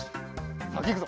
さきいくぞ！